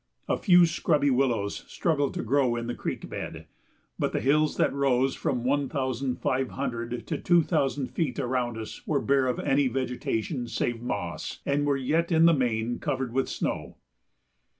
A few scrubby willows struggled to grow in the creek bed, but the hills that rose from one thousand five hundred to two thousand feet around us were bare of any vegetation save moss and were yet in the main covered with snow.